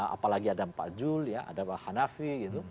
apalagi ada pak jul ya ada pak hanafi gitu